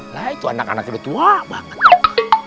lah itu anak anak udah tua banget